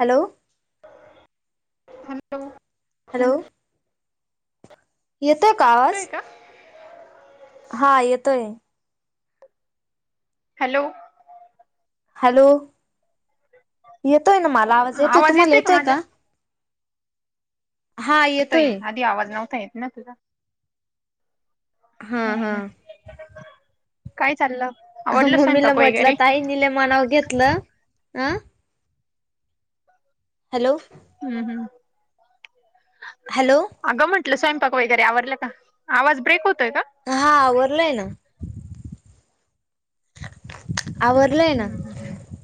Hello आली का बघ. हॅलो येतोय का येतोय आवाज? का हा येतोय. हॅलो हॅलो येतोय ना. मला आवाज येतोय तुम्हाला येतोय का? हा येतोय येतता आदी आवाज नव्हता येत ना तुझा. हा हा. हम्म काय चाललं? आवडलं मम्मीला स्वयंपाक म्हटलं वगैरे ताई नीले मनावर घेतलं आं. हॅलो. हम्म हम्म. हॅलो. अगं म्हटलं स्वयंपाक वगैरे आवरला का आवाज ब्रेक होतोय का? हा आवरलाय ना. आवरलय आहे ना. [unintelligible]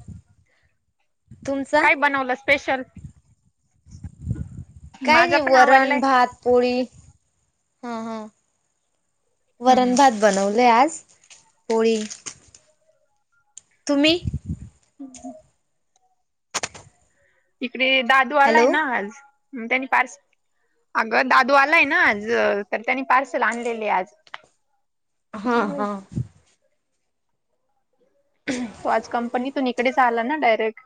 तुमचा काय बनवलं स्पेशल? काही माझा नाही पण आवडलाय वरण भात पोळी हा हा हम्म हम्म वरणभात. बनवले आज पोळी. तुम्ही. [inaudible] इकडे दादू आलाय हॅलो ना आज हम्म त्यांनी पारस अगं दादू आलाय ना आज तर त्यांनी पार्सल आणलेले आज. हा त्याच्यामुळे हा. [inaudible] तो आज कंपनीतून इकडेच आला ना डायरेक्ट.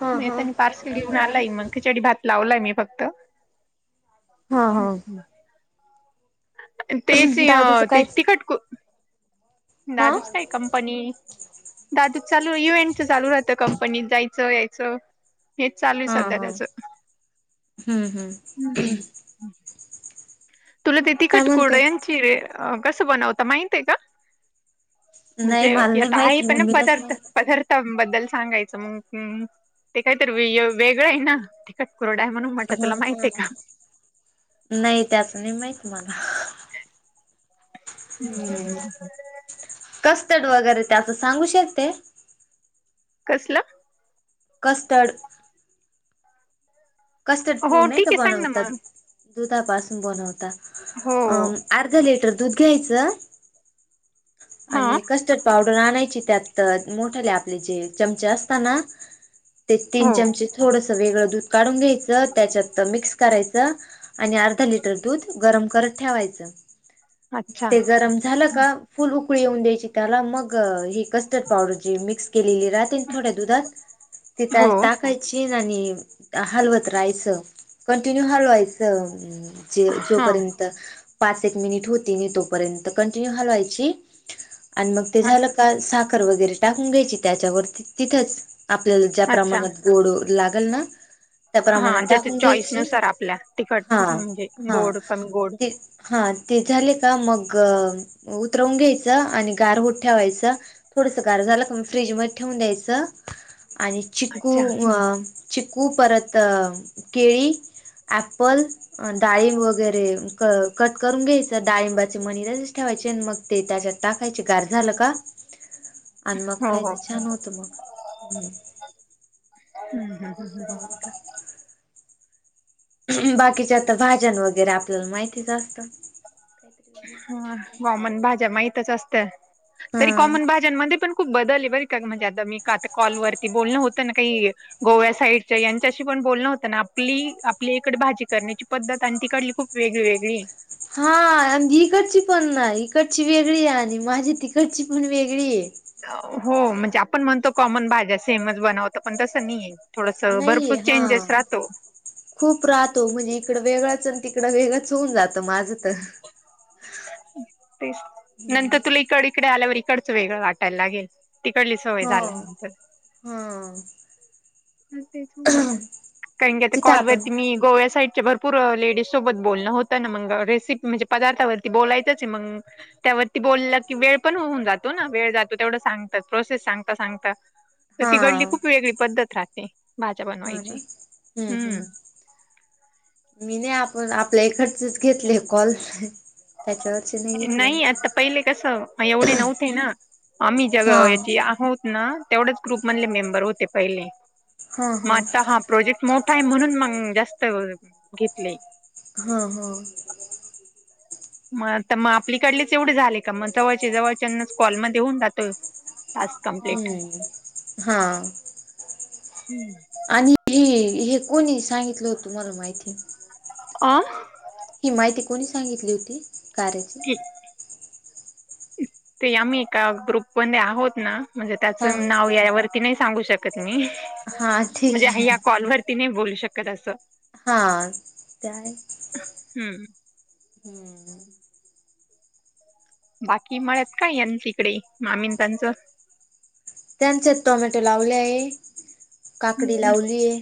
हा हा त्यांनी पार्सल घेऊन आलाय मग खिचडी भात. लावलाय मी फक्त. हा हा तेची या दादूचं ते काय तिखट को हा दादूचा काय कम? पनी दादू चालू इव्हेंटचा चालू राहतं कंपनी जायचं यायचं. हेच चालू आहे हा सध्या हा त्याचं हम्म हम्म हम्म. तुला ते काय तिखटकुड म्हणतो यांची रे कसं बनवता माहित आहे का? नाही म्हणजे मला नाही याता आहे माहिती पण ना मम्मीलाच पदार्थ माहित पदार तम बद्दल सांगायचं मंग ते काहीतर वेय वेगळं आहे ना. कटकुरडाय म्हणून म्हटलं हा तुला माहितय का? हा नाही त्याचं नाही माहित मला. हम्म कस्तड वगैरे त्याच सांगू शकते. कसलं कस्टड. कस्टर्ड पूड हो नाही ठीक काय आहे सांग ना बनवतात. मग दुधापासून बनवता अ हो अर्ध लिटर दूध घ्यायचं. हा आणि कस्टर्ड पावडर आणायची त्यात तर मोठ्याले आपले जे चमचे असतना. ते तीन हो चमचे थोडंस वेगळं दूध काढून घ्यायचं त्याच्यात मिक्स करायचं. आणि अर्धा लिटर दूध गरम करत ठेवायचं अच्छा ते गरम झालं का? फुल उकळी येऊन द्यायची त्याला मग ही कस्टर्ड पावडर जे मिक्स केलेली राहते आणि थोड्या दुधात हे हो कायच टाक खायची आणि हलवत राहायचं कंटिन्यू हलवायचं. ज हा जोपर्यंत पाच एक मिनिट होती नाही तोपर्यंत कंटिन्यू हलवायची. आणि मग ते झालं का साखर वगैरे टाकून घ्यायची त्याच्यावरती तिथंच. आपल्याला ज्या अच्छा प्रमाणात गोड लागेल ना, त्याप्रमाणे हा ज्याच्या टाकून चॉईस घ्यायची नुसार आपल्या तिखट हा म्हणजे हा गोड कमी गोड ते हा ते झाले का मग तरवून घ्यायचं आणि गार होत ठेवायचं थोडसं गार झालं का म फ्रीज मध्ये ठेवून द्यायचं. आणि चिकू अच्छा अ चिकू परत अ केळी. ॲपल डाळिंब वगैरे क कट करून घ्यायचं डाळिंबाचे मनीराचेच ठेवायचे मग. ते त्याच्यात टाकायचे गार झालं का? आणि मग हो हो खायच छान होतं मग हम्म. हम्म. असं बवठा बाकीच्या आता भाज्यान वगैरे आपल्याला माहितीच असतं. हा कॉमन भाज्या माहितच असतं तरी हा कॉमन भाज्यांमध्ये पण खूप बदल आहे बर का म्हणजे आता मी का आता कॉलवररती बोलणं होतं ना काही गोव्या साईडच्या यांच्याशी पण बोलणं होतं ना. आपली आपली इकडे भाजी करण्याची पद्धत आणि तिकडली खूप वेगळी वेगळी. हा इकडची पण नाही, इकडची वेगळी आहे. आणि माझी तिकडची पण वेगळी आहे. हो म्हणजे आपण म्हणतो कॉमन भाज्या सेमस बनवत पण तसं नाही आहे थोडस नाहीये भरपूर हा चेंजेस राहतो. खूप राहतो म्हणजे इकडं वेगळंच आणि तिकडं वेगळंच होऊन जात माझं तर. तेच नंतर तुला इकड इकडे आल्यावर इकडच वेगळं वाटायला लागेल. तिकडली सवय ह झाल्यानंतर. हा [unintelligible] तिथं आपण कॉलवरती मी गोव्या साईडच्या भरपू पुूर लेडीज सोबत बोलणं होतं ना मग, रेसिपी म्हणजे पदार्थांवरती बोलायचंच आहे मग. त्यावरती बोललं की वेळ पण होऊन जातो. ना वेळ जातो तेवढं सांगतात प्रोसेस सांगता सांगत. [unintelligible] तर ती घडली खूप वेगळी पद्धत राहते भाज्या हा ना बनवायची हम्म हंम्म. हम्म मी नाही आपण आपल्या इकडचेच घेतले कॉल. त्याच्यावरचे घेतले नाही आता पहिले कस एवढे नव्हते ना आम्ही जग हा याची आहोत. ना तेवढच ग्रुप मधले मेंबर होते पहिले मग आता हा. प्रोजेक्ट मोठा आहे म्हणून मंग जास्त घेतलंय. हा. हा. मग तर मग आपलीकडलीच एवढे झाले का? मग जवळचे जवळच्यानाच कॉलमध्ये ये होऊन जातोय. टास्क कंप्लीट हम्म हा. हम्म. आणि हे हे कोणी सांगितलं हो तुम्हाला माहिती. आ. ही माहिती कोणी सांगितली होती कार्याची. ते आम्ही एका ग्रुप मध्ये आहोत ना. म्हणजे त्याच हा नाव यावरती नाही सांगू शकत मी हा हा ठीक म्हणजे आहे या कॉलवर ती नाही बोलू शकत असं. हा ते आहे. हम्म. हम्म. बाकी मळयात काय आहे यांच्या तिकडे मामीन त्यांचं. त्यांच्यात टोमॅटो लावले आहे काकडी लावली आहे.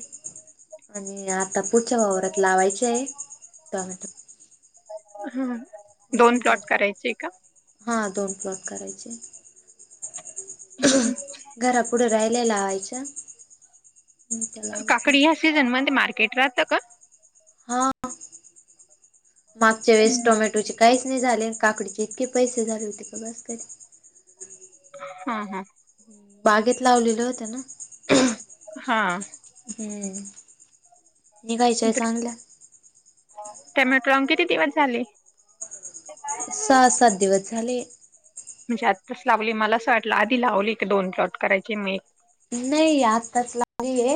आणि आता पुढच्या वावरात लावायच आहे टोमॅटो. हम्म. हा. बाकी हां दोन प्लॉट करायचे. हमं. हमं. घरापुढं राहिले लावायचं आणि आता लावायचं. [unintelligible] ते मार्केट राहतं का? हा. मागच्या वेळेस टोमॅटोचे काहीच नाही झाले. काकडीचे इतके पैसे झाले होते क बस की हा. हा. बागेत लावलेलं होत्या ना. हा. हम्म निघायच काहीच चांगलं. टेमॅटोला लावून किती दिवस झाले? सहा सात दिवस झाले. म्हणजे आत्ताच लावली मला असं वाटलं, आधी लावली एक दोन प्लॉट करायचे मी. नाही आताच लागले.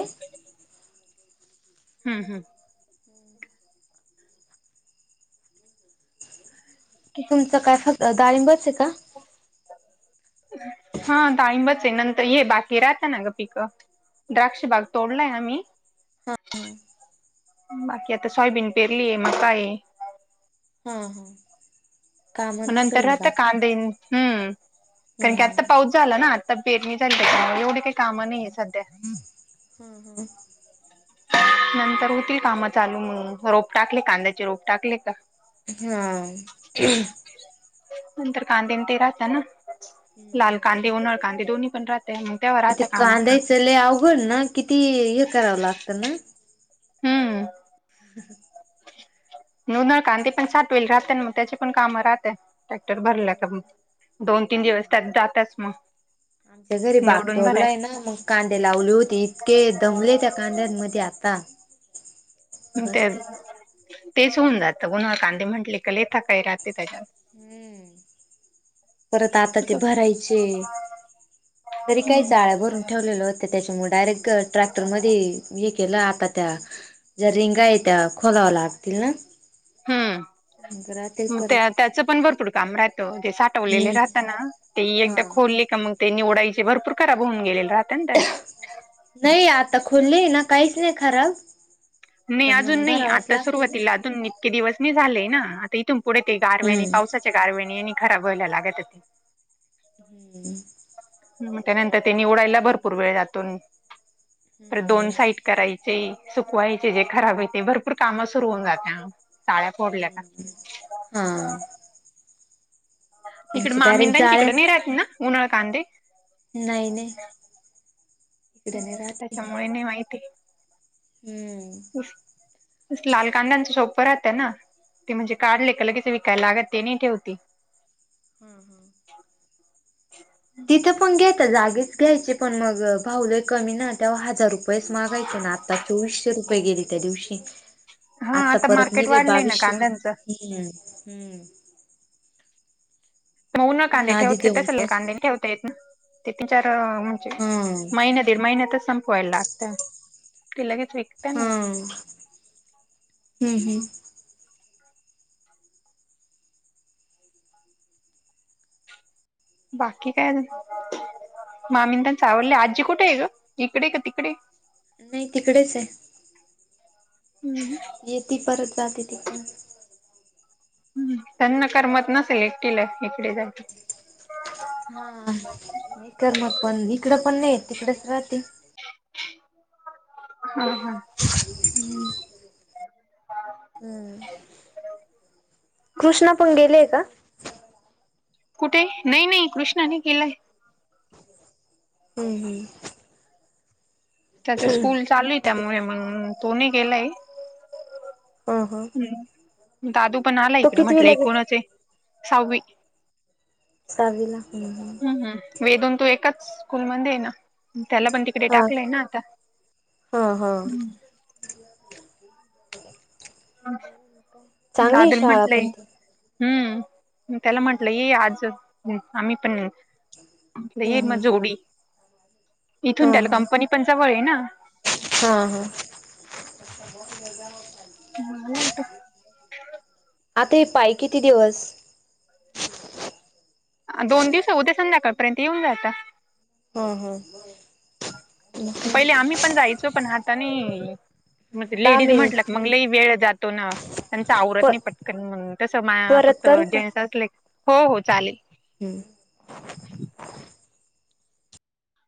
हम्म. हम्म. तुमच काय फक्त डाळिंबच आहे का? हा डाळींबच हे नंतर ये बाकी राहता ना ग पिकं. द्राक्ष बाग तोडलाय आम्ही. हा. हा. बाकी आता सोयबीन पेरली आहे मका आहे हा. हा. काम नंतर नसेल मग राहात आता कांदेन हम्म कारण की आत्ता हम्म पाऊस झाला ना, आता पेरणी झाली त्या एवढे काही कामं नाहीये हम्म, सध्या हम्म हम्म. नंतर होतील काम चालू म्हणून रोप टाकले कांद्याचे रोप टाकले का? हा ठेवा. नंतर कांदे ते राहत ना, लाल कांदे उन्हाळ कांदे दोन्ही पण राहतय. ते कांदाय चले अवघड ना किती हे करावं लागतं ना? हम्म. [unintelligible] नू नळ कांती पण, सात वल राहत मग त्याचे. पण काम राहत टॅक्टर भरल्या तर दोन, तीन दिवस त्यात जातच मग. आमच्या जरी भाग निवडून भराय तोडला आहे ना मग. कांदे लावले होते इतके दमले त्या कांदयामध्ये आता. ते बस का तेच होऊन जातं उन्हाळं कांदे म्हंटले का लय थकाय राहत. हम्म. परत आता ते भरायचे. तरी काय हम्म चाळ भरून. ठेवलेलं होत त्याच्यामुळे डायरेक्ट ट्रॅक्टर मध्ये हे केलं आता त्या ज्या रिंगा आहेत त्या खोलाव्या लागतील ना. राहतील हम्म मग परत त्या त्याचं पण भरपूर काम राहतं ते साठ हवलेले हम्म राहत ना ते एकदा हा खोल का मग ते निवडायचे भरपूर खराब होऊन गेले राहते ना त्यात. नाही आता खुले आहे ना, काहीच नाही खराब. नाही पण अजून मग नाही, भरावाच आता लागतील सुरुवातीला अजून नई. े दिवस नाही झालेय ना आता इथून पुढे ते गारवेणी हम्म पावसाच्या गारवनी आणि खराब व्हायला लागत्यात. हम्म त्यानंतर त्यां निवडायला भरपूर वेळ जातून, तर दोन साईड. करायचे सुकवायचे जे खराब हो ते भरपूर काम सुरु होऊन जाते, तळ्या फोडल्या का. हम्म हा. इकड आमचे डायरेक्ट मामिंदांची जाळे इकडे नाही राहत ना, उन्हाळ कांदे? नाही नाही इकड नाही राहते त्याच्यामुळे नाही माहिती हम्म. लाल कांद्यांच सोपं राहतं ना. ते म्हणजे काढले एकाला कि विकायला लागत ते नाही ठेवते. हम्म हम्म. तिथं पण घ्याता जागीच घ्यायचे, पण मग भावलं कमी ना त्याव हजार रुप पैस मागायचे ना आता चोवीसशे रुपये गेली त्या दिवशी हा आता परत मार्केट नेले वाढलंय ना बावीसशे. कांद्यांचं मगन आणि कांदीे आधी ते ठेवतेय, तसल फसले कांदेने ठेवता येत ना. ते तीन चार म्हणजे, हा महिन्या दीड महिन्यात संप वयल लागतं क लगेच य हा, हम्म हम्म. बाकी काय न?. मामींद सा आवडले आजी कुठे आहे ग इकडे का तिकडे? नाही तिकडेच आहे. हम्म. येती परत जाते तिकडं. हम्म त्यांना करमत नसेल एकटीला इकडे जाय हा नाही करमत, पण इकड पण नाही तिकडेच राहते हा हा. हम्म हम्म. कृष्णा पण गेलेय का? कुठे नाही नाही, कृष्णाने केलाय. हम्म हम्म. त्याच स्कूल चालुये, त्यामुळे मग तो न गेलाय. हो हो. दादू पण आला इकडे, म्हटलं गेला एकूणच आहे सहावी. सहावीला के. वेदून तू एकाच स्कूल मध्ये आहे ना, त्याला पण तिकडे टाकलंय ना आता. हो हो. चांगली आहे दादूला शाळा पण, म्हंटलंय ती हम्म तेला म्हटलंय ये आज आम्ही पण हे. आपलं हम्म आहे ना हम्म जेवढी, हा इथून त्याला हा कंपनी पण जवळ आहे ना. हा हा हो आता हे पाय किती दिवस? दोन दिवस उद्या ये, संध्याकाळपर्यंत येऊन जाताय. हो हो, होय. पहिले आम्ही पण जायचो, पण आता नई. मग ते दहा लेडीज मिनिट म्हटला की मग झाले लई वेळ जातो ना. त्यांच आवरत प नाही पटकन म्हणून तस मा परत फक्त करू का? [unintelligible] हो हो चालेल. हम्म.